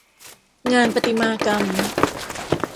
งานประติมากรรม